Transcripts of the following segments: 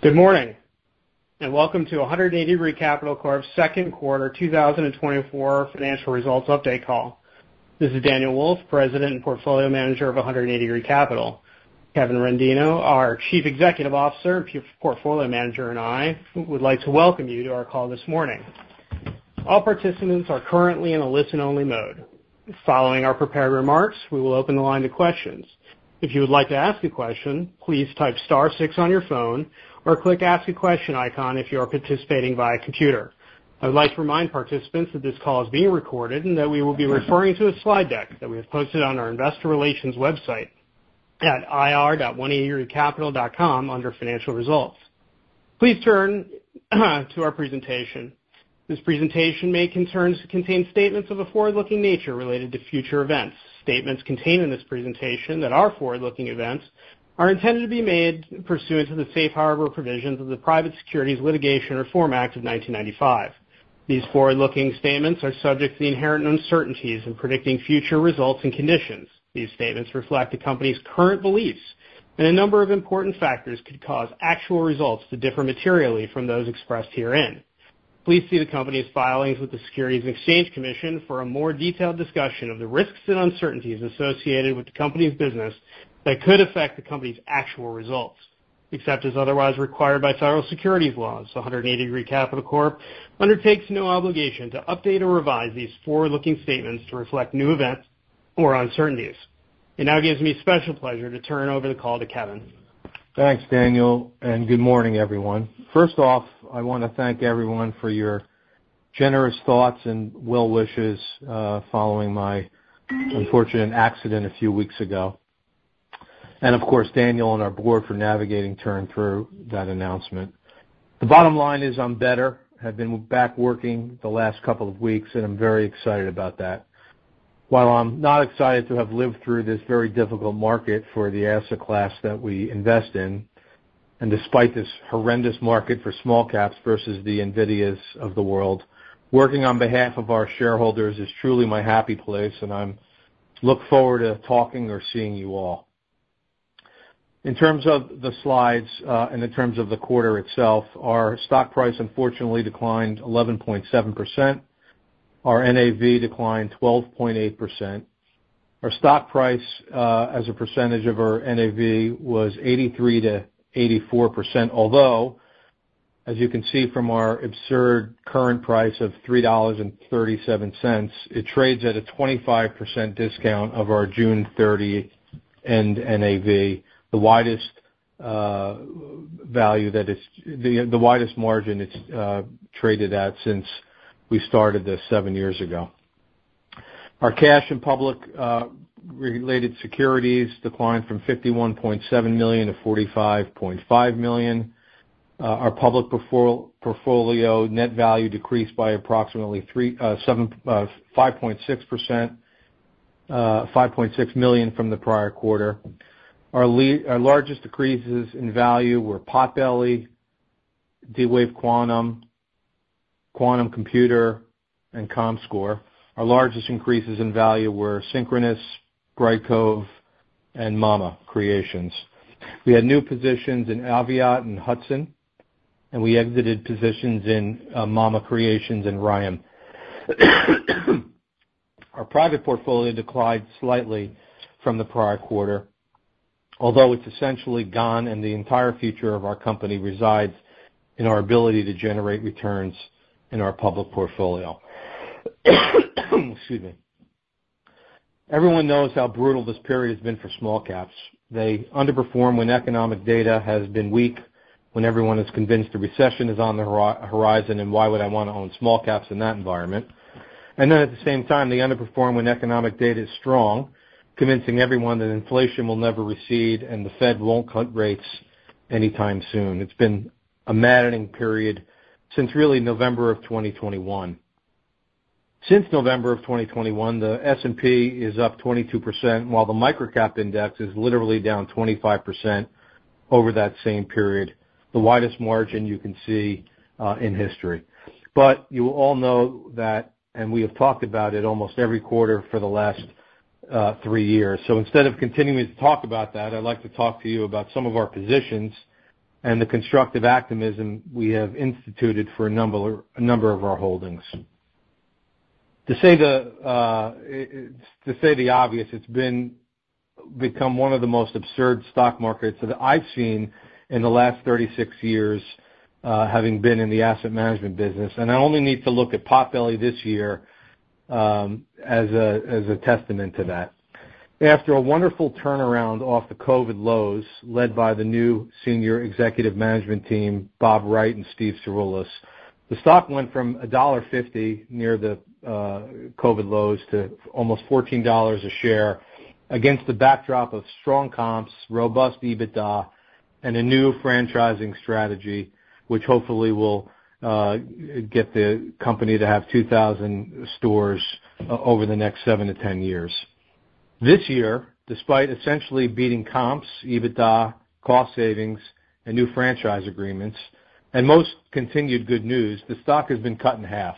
Good morning, and welcome to 180 Degree Capital Corp.'s Q2 2024 Financial Results Update Call. This is Daniel Wolf, President and Portfolio Manager of 180 Degree Capital. Kevin Rendino, our Chief Executive Officer and Portfolio Manager, and I would like to welcome you to our call this morning. All participants are currently in a listen-only mode. Following our prepared remarks, we will open the line to questions. If you would like to ask a question, please type star six on your phone or click Ask a Question icon if you are participating via computer. I would like to remind participants that this call is being recorded and that we will be referring to a slide deck that we have posted on our investor relations website at ir.180degreecapital.com under Financial Results. Please turn to our presentation. This presentation may contain statements of a forward-looking nature related to future events. Statements contained in this presentation that are forward-looking events are intended to be made pursuant to the Safe Harbor Provisions of the Private Securities Litigation Reform Act of 1995. These forward-looking statements are subject to the inherent uncertainties in predicting future results and conditions. These statements reflect the company's current beliefs, and a number of important factors could cause actual results to differ materially from those expressed herein. Please see the company's filings with the Securities and Exchange Commission for a more detailed discussion of the risks and uncertainties associated with the company's business that could affect the company's actual results. Except as otherwise required by federal securities laws, 180 Degree Capital Corp undertakes no obligation to update or revise these forward-looking statements to reflect new events or uncertainties. It now gives me special pleasure to turn over the call to Kevin. Thanks, Daniel, and good morning, everyone. First off, I wanna thank everyone for your generous thoughts and well wishes following my unfortunate accident a few weeks ago, and of course, Daniel and our board for navigating us through that announcement. The bottom line is, I'm better. I've been back working the last couple of weeks, and I'm very excited about that. While I'm not excited to have lived through this very difficult market for the asset class that we invest in, and despite this horrendous market for small caps versus the NVIDIAs of the world, working on behalf of our shareholders is truly my happy place, and I'm looking forward to talking or seeing you all. In terms of the slides, and in terms of the quarter itself, our stock price unfortunately declined 11.7%. Our NAV declined 12.8%. Our stock price as a percentage of our NAV was 83%-84%. Although as you can see from our absurd current price of $3.37, it trades at a 25% discount of our June 30 end NAV, the widest value that it's. The widest margin it's traded at since we started this seven years ago. Our cash and public related securities declined from $51.7 million to $45.5 million. Our public portfolio net value decreased by approximately five point six percent, $5.6 million from the prior quarter. Our largest decreases in value were Potbelly, D-Wave Quantum, Quantum Corporation, and comScore. Our largest increases in value were Synchronoss, Brightcove, and Mama's Creations. We had new positions in Aviat and Hudson, and we exited positions in Mama's Creations and Orion. Our private portfolio declined slightly from the prior quarter, although it's essentially gone and the entire future of our company resides in our ability to generate returns in our public portfolio. Excuse me. Everyone knows how brutal this period has been for small caps. They underperform when economic data has been weak, when everyone is convinced a recession is on the horizon, and why would I wanna own small caps in that environment? And then, at the same time, they underperform when economic data is strong, convincing everyone that inflation will never recede and the Fed won't cut rates anytime soon. It's been a maddening period since really November of 2021. Since November of 2021, the S&P is up 22%, while the microcap index is literally down 25% over that same period, the widest margin you can see in history, but you all know that, and we have talked about it almost every quarter for the last three years, so instead of continuing to talk about that, I'd like to talk to you about some of our positions and the constructive activism we have instituted for a number of our holdings. To say the obvious, it's become one of the most absurd stock markets that I've seen in the last 36 years, having been in the asset management business, and I only need to look at Potbelly this year as a testament to that. After a wonderful turnaround off the COVID lows, led by the new senior executive management team, Bob Wright and Steve Cirulis, the stock went from $1.50 near the COVID lows to almost $14 a share, against the backdrop of strong comps, robust EBITDA, and a new franchising strategy, which hopefully will get the company to have 2,000 stores over the next 7-10 years. This year, despite essentially beating comps, EBITDA, cost savings, and new franchise agreements, and most continued good news, the stock has been cut in half,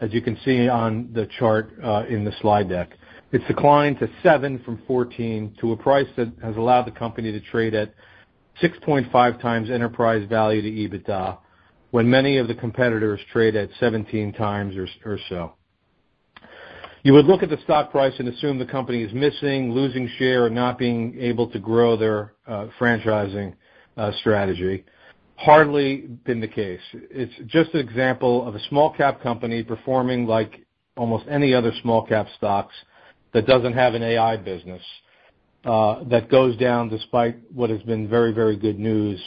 as you can see on the chart in the slide deck. It's declined to $7 from $14 to a price that has allowed the company to trade at 6.5 times enterprise value to EBITDA, when many of the competitors trade at 17 times or so. You would look at the stock price and assume the company is missing, losing share, or not being able to grow their franchising strategy. Hardly been the case. It's just an example of a small cap company performing like almost any other small cap stocks that doesn't have an AI business that goes down despite what has been very, very good news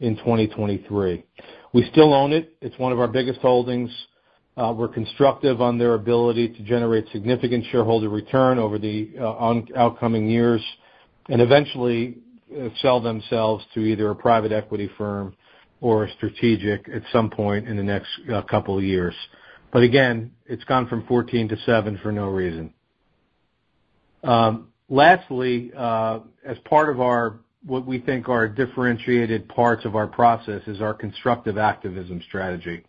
in 2023. We still own it. It's one of our biggest holdings. We're constructive on their ability to generate significant shareholder return over the upcoming years, and eventually sell themselves to either a private equity firm or a strategic at some point in the next couple of years. But again, it's gone from 14 to 7 for no reason. Lastly, as part of our, what we think are differentiated parts of our process is our constructive activism strategy,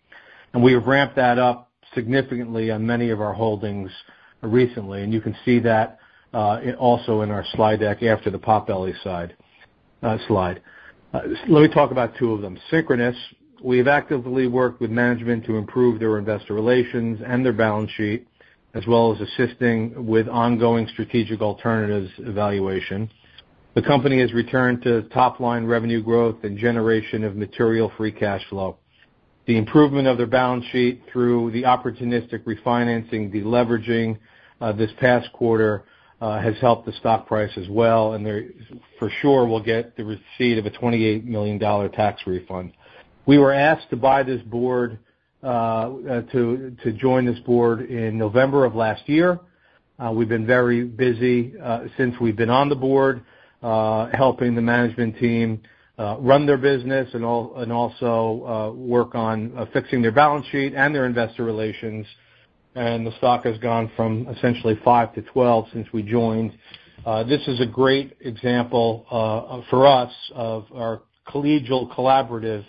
and we have ramped that up significantly on many of our holdings recently, and you can see that, also in our slide deck after the Potbelly side, slide. Let me talk about two of them. Synchronoss. We've actively worked with management to improve their investor relations and their balance sheet, as well as assisting with ongoing strategic alternatives evaluation. The company has returned to top-line revenue growth and generation of material free cash flow. The improvement of their balance sheet through the opportunistic refinancing, deleveraging, this past quarter, has helped the stock price as well, and they, for sure, will get the receipt of a $28 million tax refund. We were asked to join this board in November of last year. We've been very busy since we've been on the board, helping the management team run their business and also work on fixing their balance sheet and their investor relations, and the stock has gone from essentially 5 to 12 since we joined. This is a great example for us of our collegial, collaborative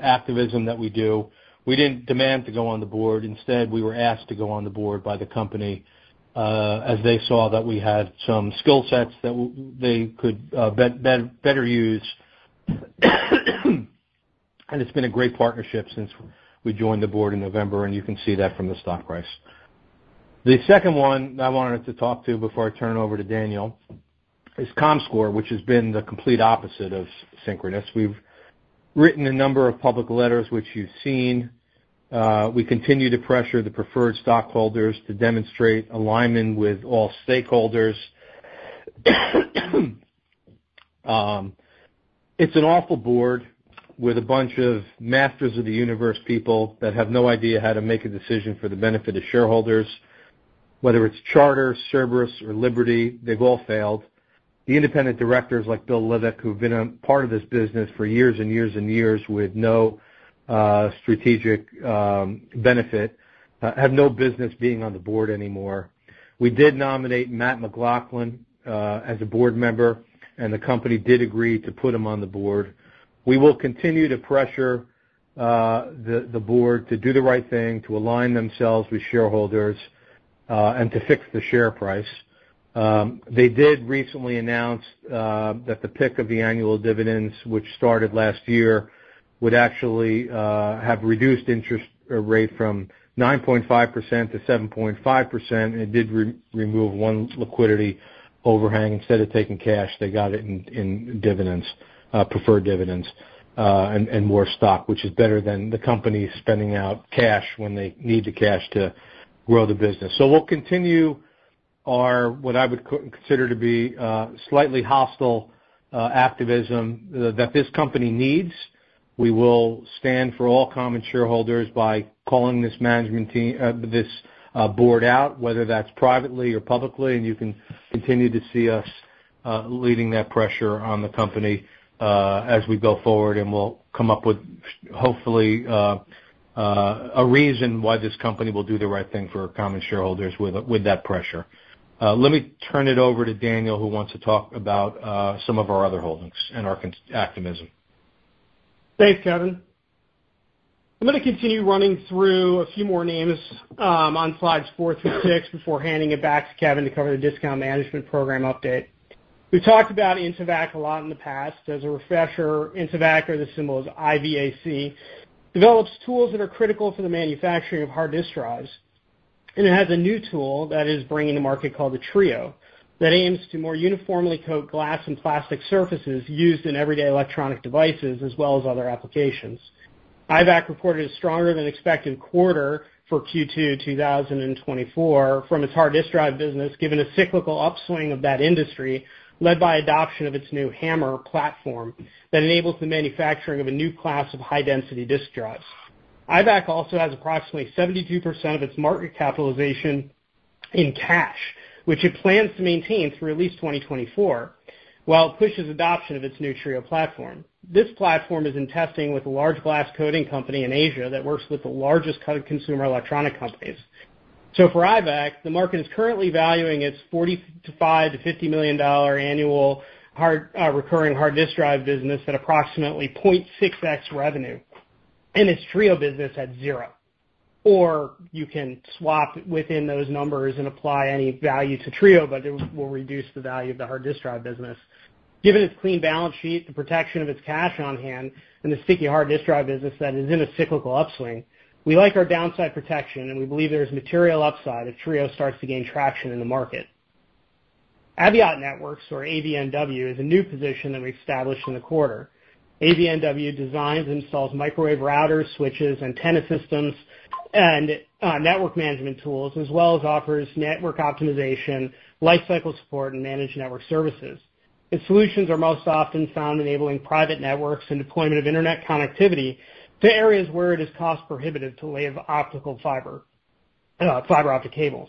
activism that we do. We didn't demand to go on the board. Instead, we were asked to go on the board by the company as they saw that we had some skill sets that they could better use. It's been a great partnership since we joined the board in November, and you can see that from the stock price. The second one I wanted to talk to before I turn it over to Daniel is comScore, which has been the complete opposite of Synchronoss. We've written a number of public letters, which you've seen. We continue to pressure the preferred stockholders to demonstrate alignment with all stakeholders. It's an awful board with a bunch of masters of the universe people that have no idea how to make a decision for the benefit of shareholders. Whether it's Charter, Cerberus, or Liberty, they've all failed. The independent directors, like Bill Livek, who've been a part of this business for years and years and years with no strategic benefit have no business being on the board anymore. We did nominate Matt McLaughlin as a board member, and the company did agree to put him on the board. We will continue to pressure the board to do the right thing, to align themselves with shareholders, and to fix the share price. They did recently announce that the payment of the annual dividends, which started last year, would actually have a reduced interest rate from 9.5% to 7.5%, and it did remove one liquidity overhang. Instead of taking cash, they got it in preferred dividends and more stock, which is better than the company spending out cash when they need the cash to grow the business. So we'll continue our what I would consider to be slightly hostile activism that this company needs. We will stand for all common shareholders by calling this management team, this board out, whether that's privately or publicly, and you can continue to see us leading that pressure on the company as we go forward, and we'll come up with, hopefully, a reason why this company will do the right thing for common shareholders with that pressure. Let me turn it over to Daniel, who wants to talk about some of our other holdings and our constructive activism. Thanks, Kevin. I'm gonna continue running through a few more names on slides four through six, before handing it back to Kevin to cover the discount management program update. We've talked about Intevac a lot in the past. As a refresher, Intevac, or the symbol is IVAC, develops tools that are critical for the manufacturing of hard disk drives, and it has a new tool that is bringing the market called the Trio, that aims to more uniformly coat glass and plastic surfaces used in everyday electronic devices, as well as other applications. IVAC reported a stronger than expected quarter for Q2 2024 from its hard disk drive business, given a cyclical upswing of that industry, led by adoption of its new HAMR platform that enables the manufacturing of a new class of high-density disk drives. IVAC also has approximately 72% of its market capitalization in cash, which it plans to maintain through at least 2024, while it pushes adoption of its new Trio platform. This platform is in testing with a large glass coating company in Asia that works with the largest consumer electronics companies. So for IVAC, the market is currently valuing its $45-$50 million annual recurring hard disk drive business at approximately 0.6x revenue, and its Trio business at zero. Or you can swap within those numbers and apply any value to Trio, but it will reduce the value of the hard disk drive business. Given its clean balance sheet, the protection of its cash on hand, and the sticky hard disk drive business that is in a cyclical upswing, we like our downside protection, and we believe there is material upside if Trio starts to gain traction in the market. Aviat Networks, or AVNW, is a new position that we established in the quarter. AVNW designs, installs microwave routers, switches, antenna systems, and network management tools, as well as offers network optimization, lifecycle support, and managed network services. Its solutions are most often found enabling private networks and deployment of internet connectivity to areas where it is cost prohibitive to lay fiber optic cables.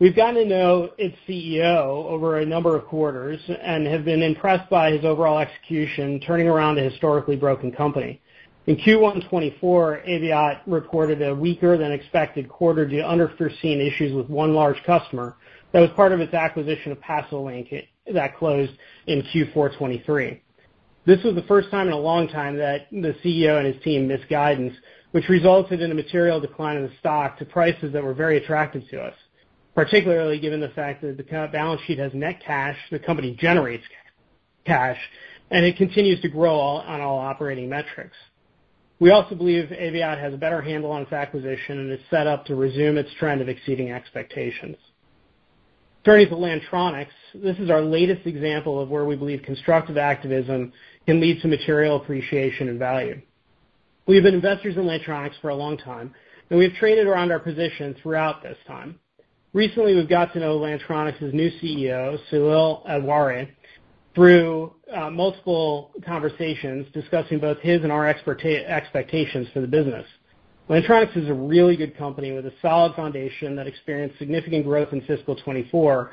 We've gotten to know its CEO over a number of quarters and have been impressed by his overall execution, turning around a historically broken company. In Q1 2024, Aviat recorded a weaker than expected quarter due to unforeseen issues with one large customer that was part of its acquisition of PASOLINK that closed in Q4 2023. This was the first time in a long time that the CEO and his team missed guidance, which resulted in a material decline in the stock to prices that were very attractive to us, particularly given the fact that the current balance sheet has net cash, the company generates cash, and it continues to grow on all operating metrics. We also believe Aviat has a better handle on its acquisition and is set up to resume its trend of exceeding expectations. Turning to Lantronix, this is our latest example of where we believe constructive activism can lead to material appreciation and value. We have been investors in Lantronix for a long time, and we have traded around our position throughout this time. Recently, we've got to know Lantronix's new CEO, Saleel Awsare, through multiple conversations discussing both his and our expectations for the business. Lantronix is a really good company with a solid foundation that experienced significant growth in its fiscal 2024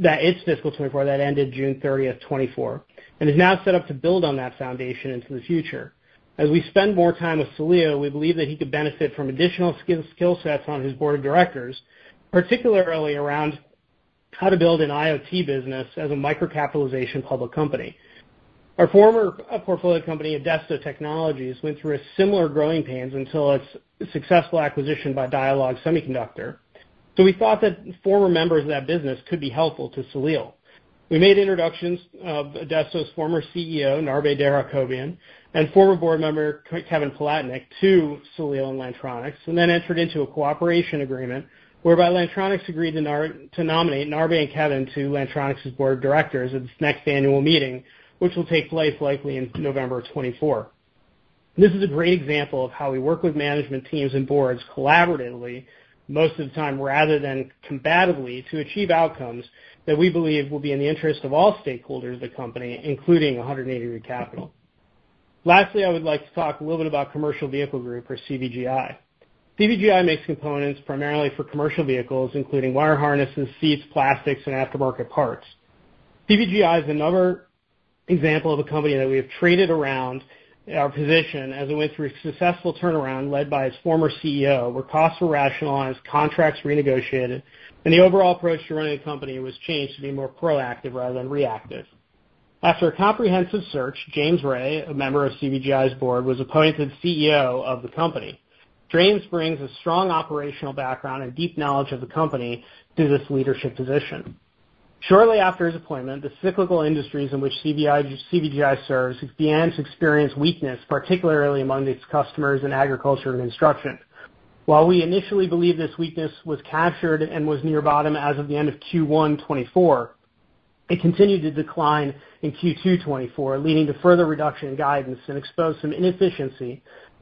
that ended 30 June, 2024, and is now set up to build on that foundation into the future. As we spend more time with Saleel, we believe that he could benefit from additional skill sets on his board of directors, particularly around how to build an IoT business as a micro-capitalization public company. Our former portfolio company, Adesto Technologies, went through a similar growing pains until its successful acquisition by Dialog Semiconductor. We thought that former members of that business could be helpful to Salil. We made introductions of Adesto's former CEO, Narbeh Derhacobian, and former board member, Kevin Palatnik, to Salil and Lantronix, and then entered into a cooperation agreement whereby Lantronix agreed to nominate Narbeh and Kevin to Lantronix's board of directors at its next annual meeting, which will take place likely in November of 2024. This is a great example of how we work with management teams and boards collaboratively, most of the time, rather than combatively, to achieve outcomes that we believe will be in the interest of all stakeholders of the company, including 180 Degree Capital. Lastly, I would like to talk a little bit about Commercial Vehicle Group or CVGI. CVGI makes components primarily for commercial vehicles, including wire harnesses, seats, plastics, and aftermarket parts. CVGI is another example of a company that we have traded around our position as it went through a successful turnaround led by its former CEO, where costs were rationalized, contracts renegotiated, and the overall approach to running the company was changed to be more proactive rather than reactive. After a comprehensive search, James Ray, a member of CVGI's board, was appointed CEO of the company. James brings a strong operational background and deep knowledge of the company to this leadership position. Shortly after his appointment, the cyclical industries in which CVGI serves began to experience weakness, particularly among its customers in agriculture and construction. While we initially believed this weakness was captured and was near bottom as of the end of Q1 2024, it continued to decline in Q2 2024, leading to further reduction in guidance and exposed some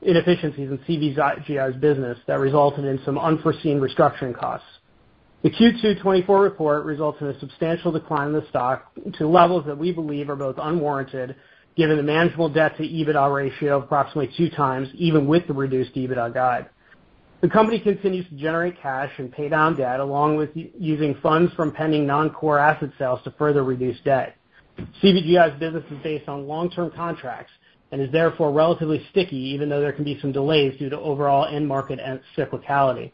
inefficiencies in CVGI's business that resulted in some unforeseen restructuring costs. The Q2 2024 report resulted in a substantial decline in the stock to levels that we believe are both unwarranted, given the manageable debt to EBITDA ratio of approximately two times, even with the reduced EBITDA guide. The company continues to generate cash and pay down debt, along with using funds from pending non-core asset sales to further reduce debt. CVGI's business is based on long-term contracts and is therefore relatively sticky, even though there can be some delays due to overall end market and cyclicality.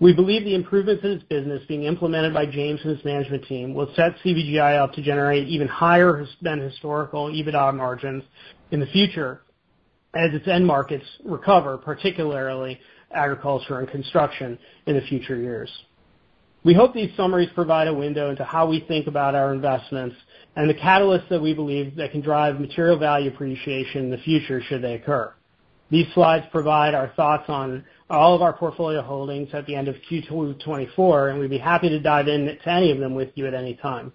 We believe the improvements in its business being implemented by James and his management team will set CVGI up to generate even higher than historical EBITDA margins in the future as its end markets recover, particularly agriculture and construction in the future years. We hope these summaries provide a window into how we think about our investments and the catalysts that we believe that can drive material value appreciation in the future should they occur. These slides provide our thoughts on all of our portfolio holdings at the end of Q2 2024, and we'd be happy to dive in to any of them with you at any time.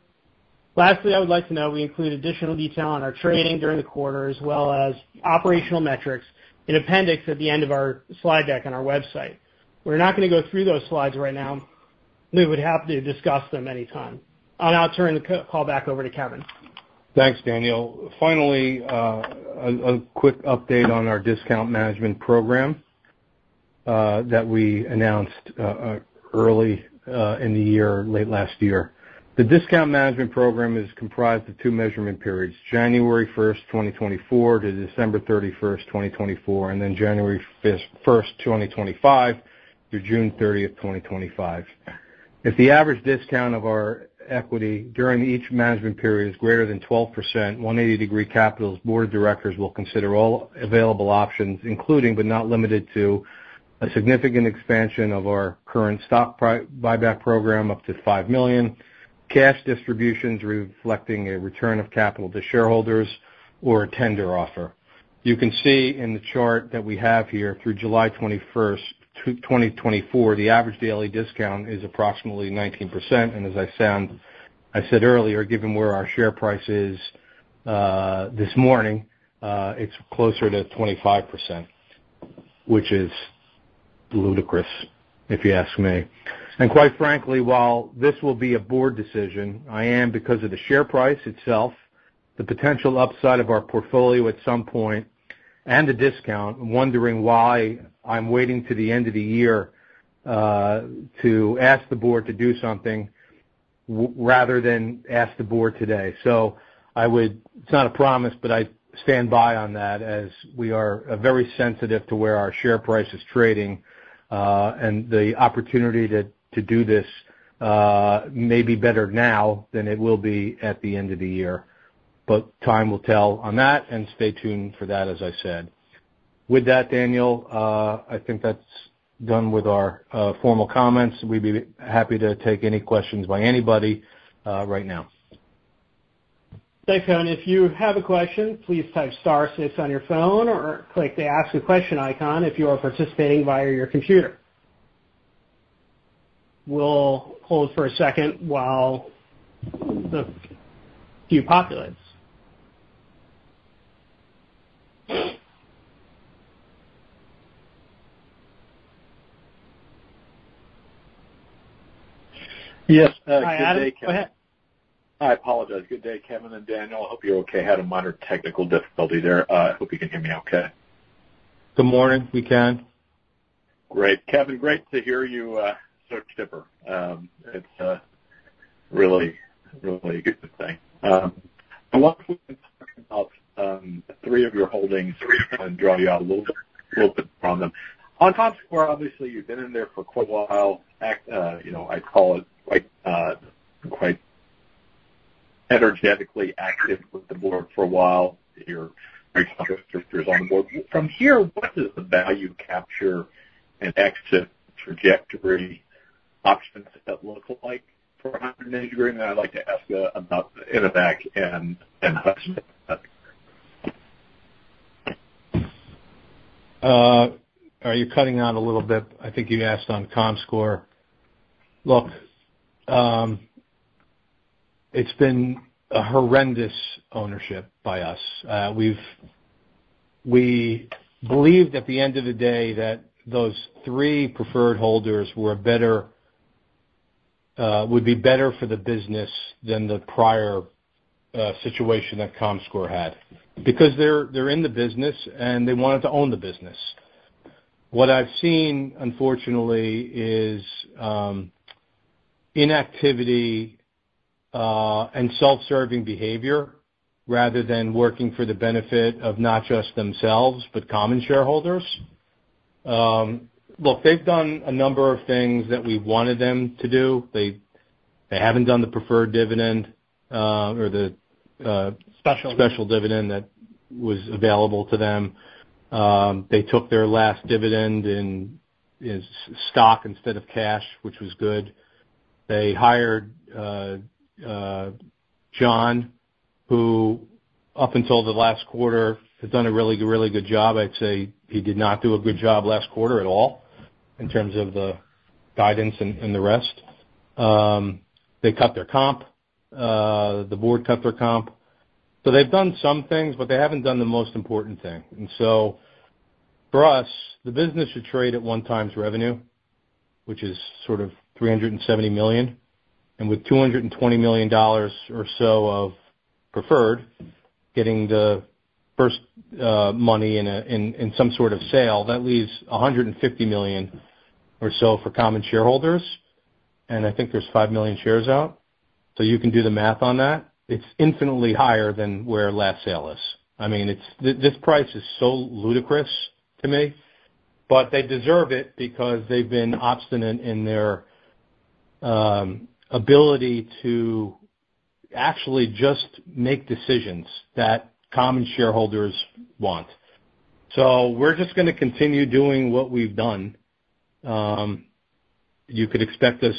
Lastly, I would like to note we include additional detail on our trading during the quarter, as well as operational metrics and appendix at the end of our slide deck on our website. We're not gonna go through those slides right now. We would be happy to discuss them anytime. I'll now turn the call back over to Kevin. Thanks, Daniel. Finally, a quick update on our discount management program that we announced early in the year, late last year. The discount management program is comprised of two measurement periods, January first, 2024 to 31 December, 2024, and then January first, 2025 to 30 June, 2025. If the average discount of our equity during each management period is greater than 12%, 180 Degree Capital's board of directors will consider all available options, including, but not limited to, a significant expansion of our current stock buyback program up to $5 million, cash distributions reflecting a return of capital to shareholders or a tender offer. You can see in the chart that we have here through 21 July, 2024, the average daily discount is approximately 19%, and as I said earlier, given where our share price is, this morning, it's closer to 25%, which is ludicrous, if you ask me. And quite frankly, while this will be a board decision, I am, because of the share price itself, the potential upside of our portfolio at some point, and the discount, wondering why I'm waiting to the end of the year, to ask the board to do something rather than ask the board today. It's not a promise, but I stand by on that as we are very sensitive to where our share price is trading, and the opportunity to do this may be better now than it will be at the end of the year. But time will tell on that, and stay tuned for that, as I said. With that, Daniel, I think that's done with our formal comments. We'd be happy to take any questions by anybody right now. Thanks, Kevin. If you have a question, please type star six on your phone, or click the Ask a Question icon if you are participating via your computer. We'll hold for a second while the queue populates. Yes, good day, Kevin. Hi, Adam. Go ahead. I apologize. Good day, Kevin and Daniel. I hope you're okay. Had a minor technical difficulty there. Hope you can hear me okay. Good morning. We can. Great. Kevin, great to hear you, so chipper. It's really, really good to say. I want to talk about three of your holdings and draw you out a little bit, a little bit from them. On comScore, obviously, you've been in there for quite a while. You know, I'd call it, like, quite energetically active with the board for a while. You have directors on the board. From here, what does the value capture and exit trajectory options look like for a hundred and eighty degree? And I'd like to ask about Intevac and, and Are you cutting out a little bit? I think you asked on comScore. Look, it's been a horrendous ownership by us. We've... We believed at the end of the day, that those three preferred holders were better, would be better for the business than the prior situation that comScore had, because they're in the business, and they wanted to own the business. What I've seen, unfortunately, is inactivity, and self-serving behavior, rather than working for the benefit of not just themselves, but common shareholders. Look, they've done a number of things that we wanted them to do. They haven't done the preferred dividend, or the, Special. special dividend that was available to them. They took their last dividend in stock instead of cash, which was good. They hired Jon, who up until the last quarter had done a really good job. I'd say he did not do a good job last quarter at all in terms of the guidance and the rest. They cut their comp, the board cut their comp. So they've done some things, but they haven't done the most important thing. And so for us, the business should trade at one times revenue, which is sort of $370 million, and with $220 million or so of preferred, getting the first money in some sort of sale, that leaves $150 million or so for common shareholders, and I think there's 5 million shares out. So you can do the math on that. It's infinitely higher than where last sale is. I mean, it's... This price is so ludicrous to me, but they deserve it because they've been obstinate in their ability to actually just make decisions that common shareholders want. So we're just gonna continue doing what we've done. You could expect us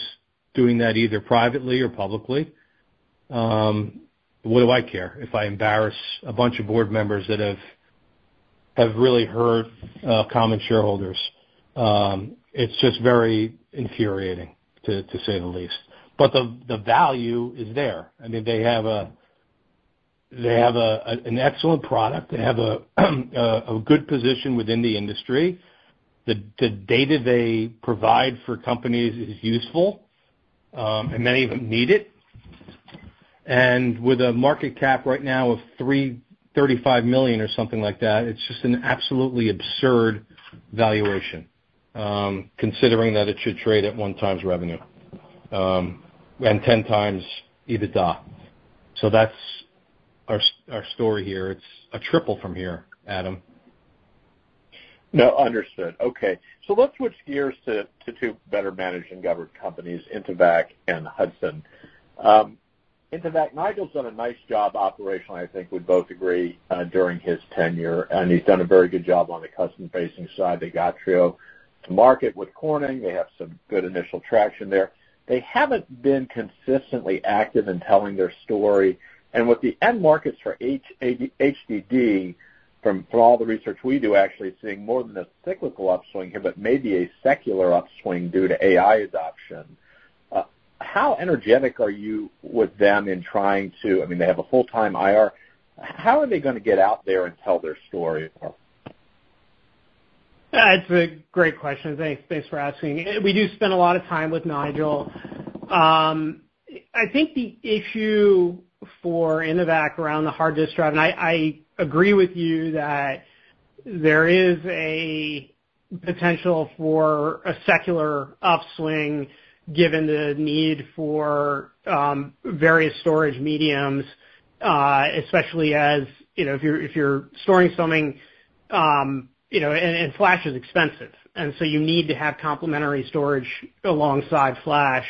doing that either privately or publicly. What do I care if I embarrass a bunch of board members that have really hurt common shareholders? It's just very infuriating to say the least. But the value is there. I mean, they have an excellent product. They have a good position within the industry. The data they provide for companies is useful, and many of them need it. And with a market cap right now of $335 million or something like that, it's just an absolutely absurd valuation, considering that it should trade at one times revenue, and ten times EBITDA. So that's our story here. It's a triple from here, Adam. ... No, understood. Okay, so let's switch gears to two better managed and governed companies, Intevac and Hudson. Intevac, Nigel's done a nice job operationally, I think we'd both agree, during his tenure, and he's done a very good job on the customer-facing side. They got Trio to market with Corning. They have some good initial traction there. They haven't been consistently active in telling their story, and with the end markets for HDD, from all the research we do, actually seeing more than a cyclical upswing here, but maybe a secular upswing due to AI adoption. How energetic are you with them in trying to, I mean, they have a full-time IR. How are they gonna get out there and tell their story, Paul? It's a great question. Thanks, thanks for asking. We do spend a lot of time with Nigel. I think the issue for Intevac around the hard disk drive, and I agree with you that there is a potential for a secular upswing given the need for various storage mediums, especially as, you know, if you're storing something, you know, and flash is expensive, and so you need to have complementary storage alongside Flash,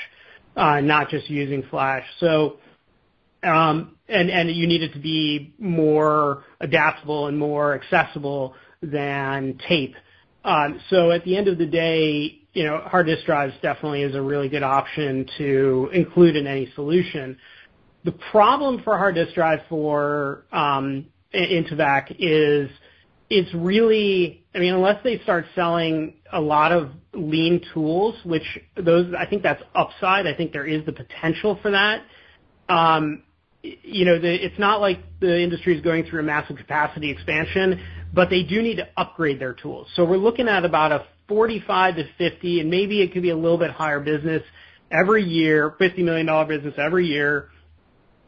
not just using Flash. So, and you need it to be more adaptable and more accessible than tape. So at the end of the day, you know, hard disk drives definitely is a really good option to include in any solution. The problem for hard disk drive for Intevac is, it's really... I mean, unless they start selling a lot of lean tools, which those, I think that's upside. I think there is the potential for that. You know, it's not like the industry is going through a massive capacity expansion, but they do need to upgrade their tools. So we're looking at about a $45-$50, and maybe it could be a little bit higher business every year, $50 million business every year.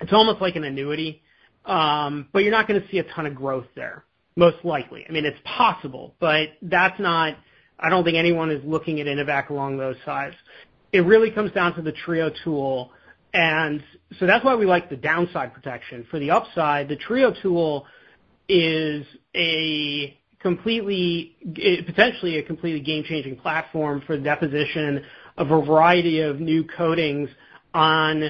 It's almost like an annuity, but you're not gonna see a ton of growth there, most likely. I mean, it's possible, but that's not. I don't think anyone is looking at Intevac along those sides. It really comes down to the Trio tool, and so that's why we like the downside protection. For the upside, the Trio tool is a completely, potentially a completely game-changing platform for deposition of a variety of new coatings on,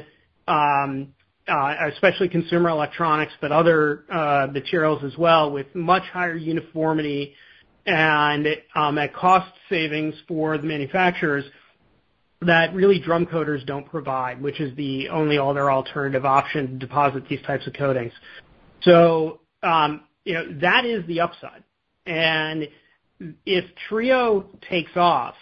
especially consumer electronics, but other materials as well, with much higher uniformity and a cost savings for the manufacturers that really drum coaters don't provide, which is the only other alternative option to deposit these types of coatings. So, you know, that is the upside, and if Trio takes off,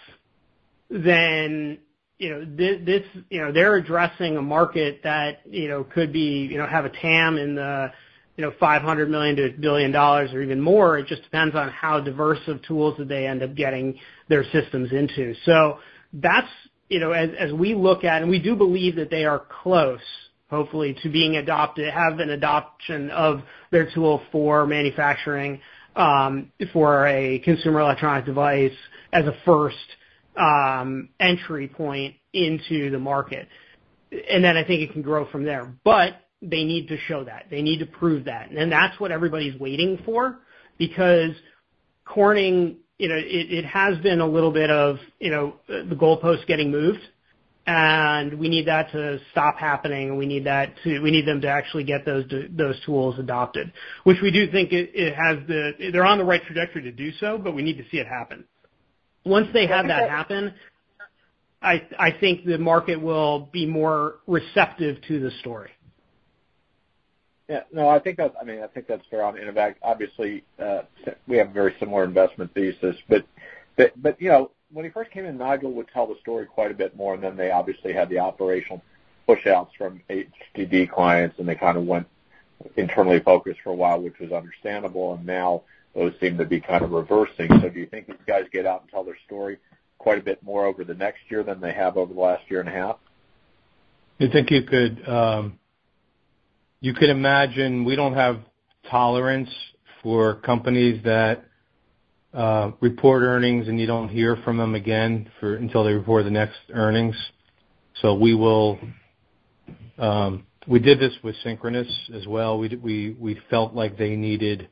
then, you know, this, you know, they're addressing a market that, you know, could be, you know, have a TAM in the, you know, $500 million-$1 billion or even more. It just depends on how diverse of tools that they end up getting their systems into. So that's, you know, as we look at, and we do believe that they are close, hopefully, to being adopted, have an adoption of their tool for manufacturing for a consumer electronic device as a first entry point into the market. And then I think it can grow from there. But they need to show that. They need to prove that. And that's what everybody's waiting for, because Corning, you know, it has been a little bit of, you know, the goalpost getting moved, and we need that to stop happening. We need that to. We need them to actually get those tools adopted, which we do think they're on the right trajectory to do so, but we need to see it happen. Once they have that happen, I think the market will be more receptive to the story. Yeah, no, I think that's, I mean, I think that's fair. On Intevac, obviously, we have very similar investment thesis, but, you know, when he first came in, Nigel would tell the story quite a bit more, and then they obviously had the operational pushouts from HDD clients, and they kind of went internally focused for a while, which was understandable, and now those seem to be kind of reversing. So do you think these guys get out and tell their story quite a bit more over the next year than they have over the last year and a half? I think you could, you could imagine, we don't have tolerance for companies that, report earnings, and you don't hear from them again until they report the next earnings. We did this with Synchronoss as well. We, we felt like they needed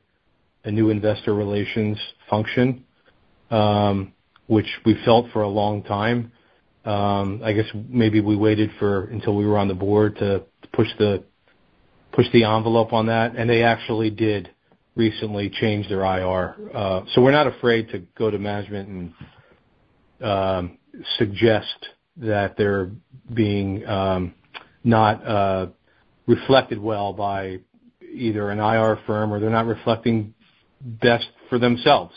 a new investor relations function, which we felt for a long time. I guess maybe we waited until we were on the board to push the envelope on that, and they actually did recently change their IR. So we're not afraid to go to management and suggest that they're not being reflected well by either an IR firm or they're not reflecting best for themselves.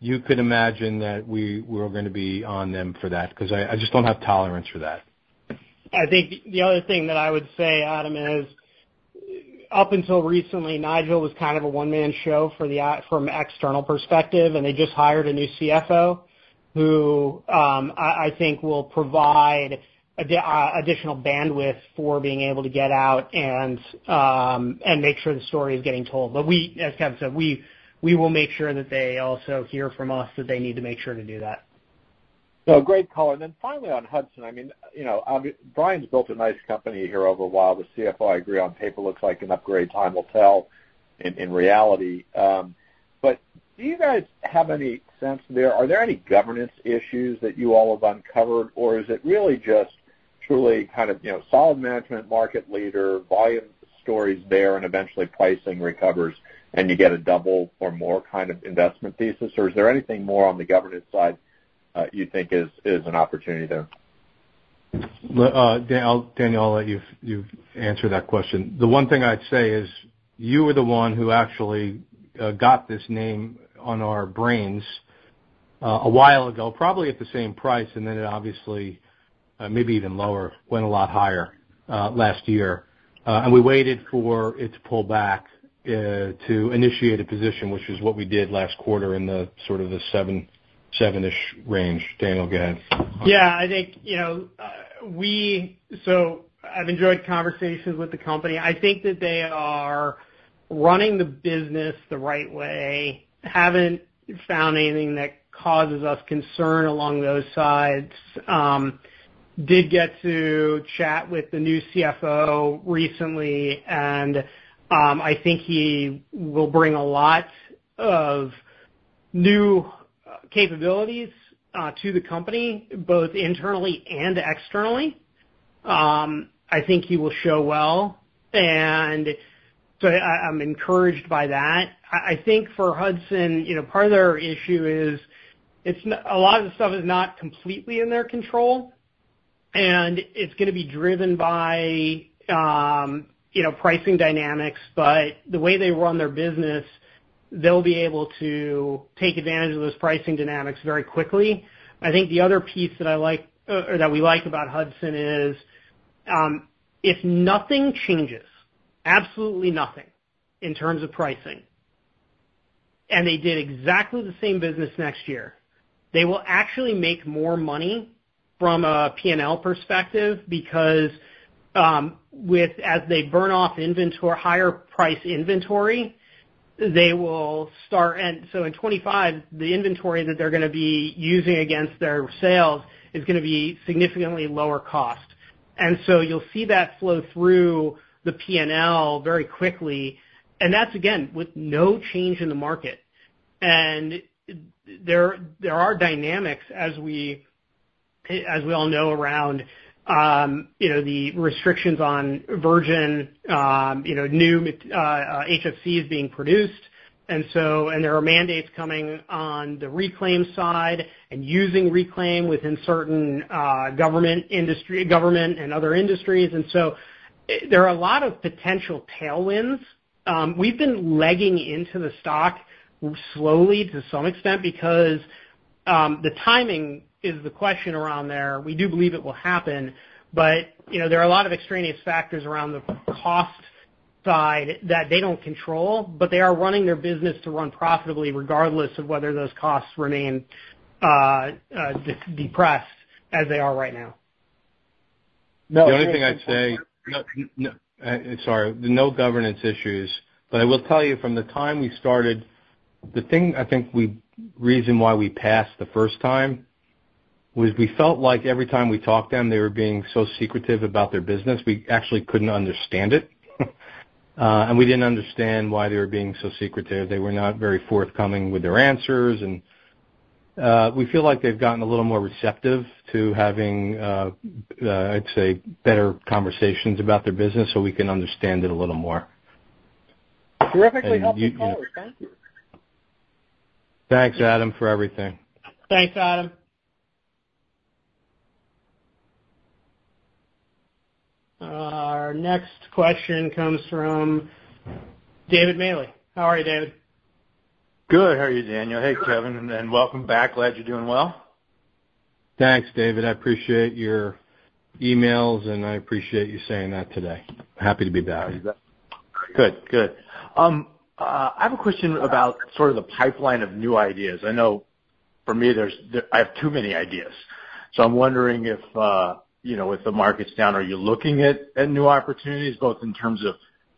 You could imagine that we're gonna be on them for that, 'cause I just don't have tolerance for that. I think the other thing that I would say, Adam, is up until recently, Nigel was kind of a one-man show from an external perspective, and they just hired a new CFO who I think will provide additional bandwidth for being able to get out and make sure the story is getting told. But we, as Kevin said, we will make sure that they also hear from us that they need to make sure to do that. So great call. And then finally, on Hudson, I mean, you know, Brian's built a nice company here over a while. The CFO, I agree, on paper, looks like an upgrade. Time will tell in reality. But do you guys have any sense there? Are there any governance issues that you all have uncovered, or is it really just truly kind of, you know, solid management, market leader, volume stories there, and eventually pricing recovers and you get a double or more kind of investment thesis? Or is there anything more on the governance side you think is an opportunity there? Dan, I'll let you answer that question. The one thing I'd say is, you were the one who actually got this name on our brains a while ago, probably at the same price, and then it obviously, maybe even lower, went a lot higher last year. And we waited for it to pull back to initiate a position, which is what we did last quarter in the sort of seven, seven-ish range. Daniel, go ahead. Yeah, I think, you know, so I've enjoyed conversations with the company. I think that they are running the business the right way. Haven't found anything that causes us concern along those sides. Did get to chat with the new CFO recently, and I think he will bring a lot of new capabilities to the company, both internally and externally. I think he will show well, and so I'm encouraged by that. I think for Hudson, you know, part of their issue is, it's a lot of the stuff is not completely in their control, and it's gonna be driven by, you know, pricing dynamics. But the way they run their business, they'll be able to take advantage of those pricing dynamics very quickly. I think the other piece that I like, or that we like about Hudson is, if nothing changes, absolutely nothing in terms of pricing, and they did exactly the same business next year, they will actually make more money from a PNL perspective because, with, as they burn off higher price inventory, they will start. And so in 2025, the inventory that they're gonna be using against their sales is gonna be significantly lower cost. And so you'll see that flow through the PNL very quickly, and that's again, with no change in the market. And there are dynamics as we, as we all know around, you know, the restrictions on virgin, you know, new HFCs being produced. There are mandates coming on the reclaim side and using reclaim within certain government, industry, government and other industries. There are a lot of potential tailwinds. We've been legging into the stock slowly to some extent because the timing is the question around there. We do believe it will happen, but you know, there are a lot of extraneous factors around the cost side that they don't control, but they are running their business to run profitably, regardless of whether those costs remain depressed as they are right now. The only thing I'd say. No, no, sorry, no governance issues. But I will tell you from the time we started, the thing I think reason why we passed the first time, was we felt like every time we talked to them, they were being so secretive about their business, we actually couldn't understand it. And we didn't understand why they were being so secretive. They were not very forthcoming with their answers. And we feel like they've gotten a little more receptive to having, I'd say, better conversations about their business so we can understand it a little more. Terrifically helpful call. Thank you. Thanks, Adam, for everything. Thanks, Adam. Our next question comes from David Maley. How are you, David? Good. How are you, Daniel? Hey, Kevin, and welcome back. Glad you're doing well. Thanks, David. I appreciate your emails, and I appreciate you saying that today. Happy to be back. Good. Good. I have a question about sort of the pipeline of new ideas. I know for me, there's, I have too many ideas. So I'm wondering if, you know, with the market's down, are you looking at, at new opportunities, both in terms of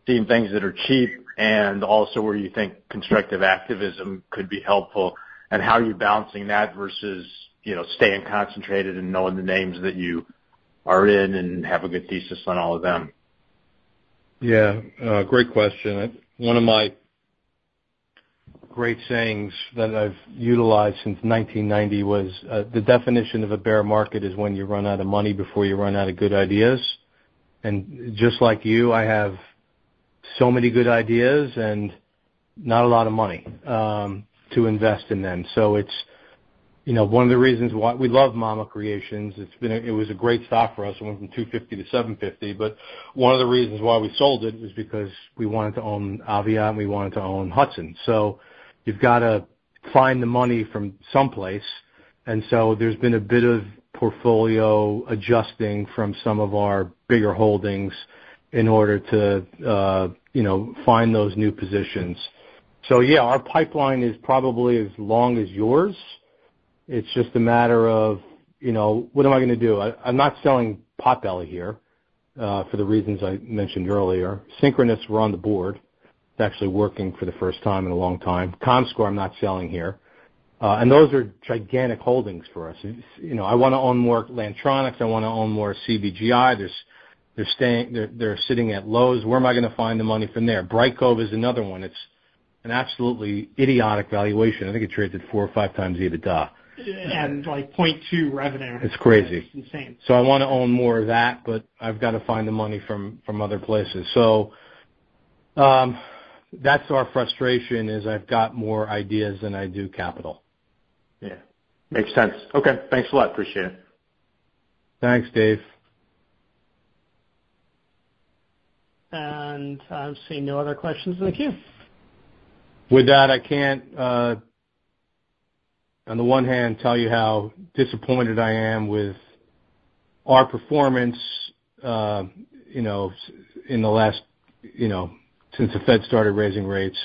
seeing things that are cheap and also where you think constructive activism could be helpful, and how are you balancing that versus, you know, staying concentrated and knowing the names that you are in and have a good thesis on all of them? Yeah, great question. One of my great sayings that I've utilized since 1990 was, "The definition of a bear market is when you run out of money before you run out of good ideas." And just like you, I have so many good ideas and not a lot of money to invest in them. So it's, you know, one of the reasons why we love Mama's Creations. It's been a great stock for us. It went from $2.50 to $7.50, but one of the reasons why we sold it was because we wanted to own Aviat, and we wanted to own Hudson. So you've got to find the money from someplace, and so there's been a bit of portfolio adjusting from some of our bigger holdings in order to, you know, find those new positions. So yeah, our pipeline is probably as long as yours. It's just a matter of, you know, what am I gonna do? I'm not selling Potbelly here for the reasons I mentioned earlier. Synchronoss, we're on the board. It's actually working for the first time in a long time. comScore, I'm not selling here. And those are gigantic holdings for us. You know, I wanna own more Lantronix, I wanna own more CVGI. They're staying. They're sitting at lows. Where am I gonna find the money from there? Brightcove is another one. It's an absolutely idiotic valuation. I think it trades at four or five times EBITDA. Like 0.2 revenue. It's crazy. It's insane. So I wanna own more of that, but I've gotta find the money from other places. So, that's our frustration, is I've got more ideas than I do capital. Yeah, makes sense. Okay. Thanks a lot. Appreciate it. Thanks, Dave. I see no other questions in the queue. With that, I can't, on the one hand, tell you how disappointed I am with our performance, you know, in the last, you know, since the Fed started raising rates,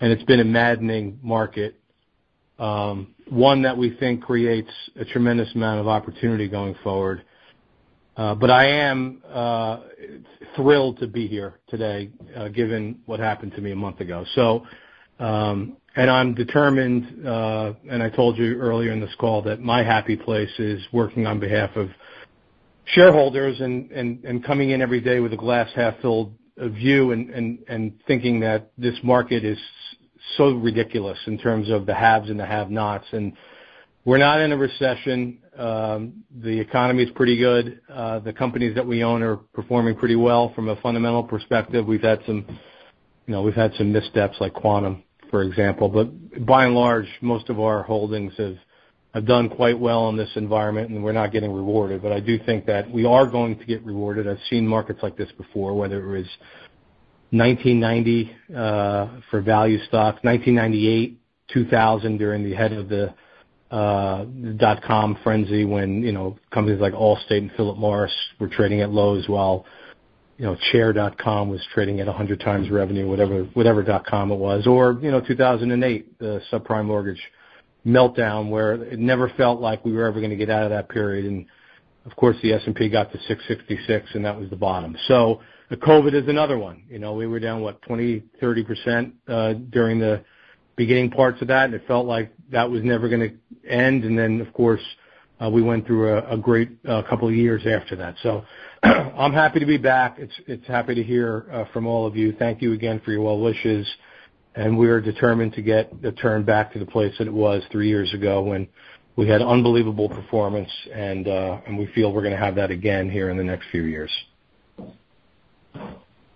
and it's been a maddening market. One that we think creates a tremendous amount of opportunity going forward, but I am thrilled to be here today, given what happened to me a month ago, so and I'm determined, and I told you earlier in this call, that my happy place is working on behalf of shareholders and coming in every day with a glass-half-full view and thinking that this market is so ridiculous in terms of the haves and the have-nots, and we're not in a recession. The economy is pretty good. The companies that we own are performing pretty well from a fundamental perspective. We've had some, you know, we've had some missteps like Quantum, for example, but by and large, most of our holdings have done quite well in this environment, and we're not getting rewarded. But I do think that we are going to get rewarded. I've seen markets like this before, whether it was nineteen ninety for value stocks, nineteen ninety-eight, two thousand, during the height of the dot-com frenzy, when, you know, companies like Allstate and Philip Morris were trading at lows while, you know, chair.com was trading at 100 times revenue, whatever, whatever dot-com it was. Or, you know, two thousand and eight, the subprime mortgage meltdown, where it never felt like we were ever gonna get out of that period. And of course, the S&P got to 666, and that was the bottom. So the COVID is another one. You know, we were down, what? 20%-30%, during the beginning parts of that, and it felt like that was never gonna end. And then, of course, we went through a great couple of years after that. So I'm happy to be back. It's happy to hear from all of you. Thank you again for your well wishes, and we are determined to get the turn back to the place that it was three years ago when we had unbelievable performance, and we feel we're gonna have that again here in the next few years.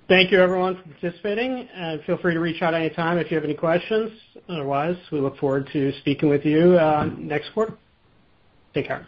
Thank you, everyone, for participating, and feel free to reach out anytime if you have any questions. Otherwise, we look forward to speaking with you, next quarter. Take care.